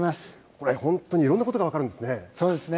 これ、本当にいろんなことがそうですね。